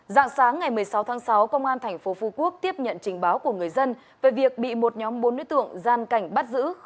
dạng sáng ngày một mươi sáu tháng sáu công an tp phú quốc tiếp nhận trình báo của người dân về việc bị một nhóm bốn đối tượng gian cảnh bắt giữ